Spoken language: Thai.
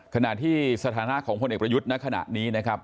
ขณะที่สถานะของพลเอกประยุทธ์ณขณะนี้นะครับ